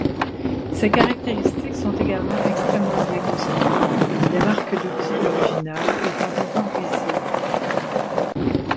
Ces caractéristiques sont également extrêmement bien conservées, les marques d’outil originales étant encore visibles.